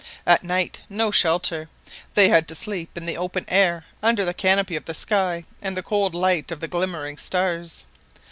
At night, no shelter! They had to sleep in the open air, under the canopy of the sky and the cold light of the glimmering stars.